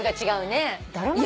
違うね。